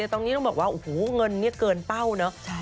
ตอนนี้ต้องบอกว่าเงินเกินเป้าเนอะ